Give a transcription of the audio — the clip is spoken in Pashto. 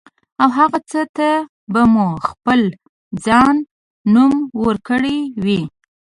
او هغه څه ته به مو خپل ځان نوم ورکړی وي.